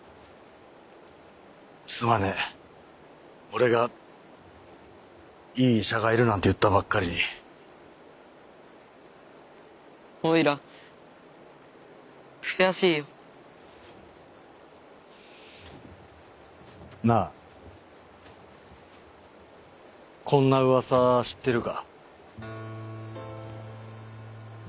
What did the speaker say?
すまねぇ俺がいい医者がいるなんて言ったばっかりにおいら悔しいよなぁこんなうわさ知ってるか？